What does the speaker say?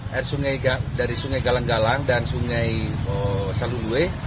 air sungai dari sungai galang galang dan sungai saluhue